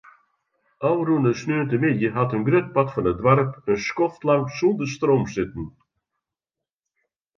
Ofrûne sneontemiddei hat in grut part fan it doarp in skoftlang sûnder stroom sitten.